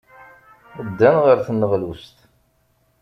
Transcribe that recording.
Ddan ɣer tneɣlust.